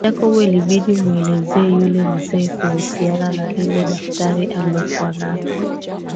Jacob ilibidi amuelezee yule mzee kuhusiana na lile daftari alokua nalo